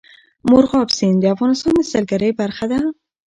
مورغاب سیند د افغانستان د سیلګرۍ برخه ده.